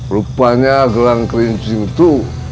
rupanya gelang kerincing itu